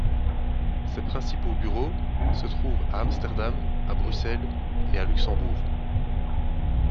Ses principaux bureaux se trouvent à Amsterdam, à Bruxelles et à Luxembourg.